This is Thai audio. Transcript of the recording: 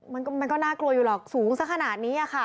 มันก็น่ากลัวอยู่หรอกสูงสักขนาดนี้ค่ะ